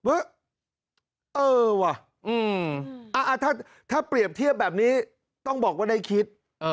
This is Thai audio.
เออว่ะถ้าเปรียบเทียบแบบนี้ต้องบอกว่าได้คิด